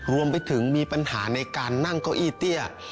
รวมไปถึงมีปัญหาในการนั่งเก้าอี้เตี้ย